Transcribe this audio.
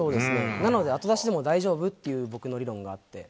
なので後出しでも大丈夫っていう僕の理論があって。